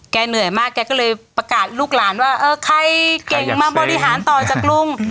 เหนื่อยมากแกก็เลยประกาศลูกหลานว่าเออใครเก่งมาบริหารต่อจากลุง